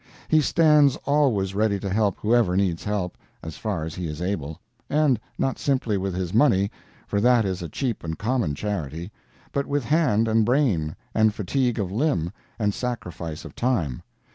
He stands always ready to help whoever needs help, as far as he is able and not simply with his money, for that is a cheap and common charity, but with hand and brain, and fatigue of limb and sacrifice of time.